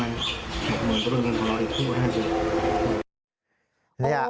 เพราะมันแขกเงินต้นเงินของเราอีก๒๕บาท